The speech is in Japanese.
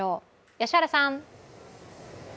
良原さん。